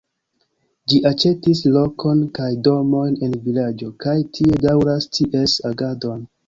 Ĝi aĉetis lokon kaj domojn en vilaĝo kaj tie daŭras ties agadon.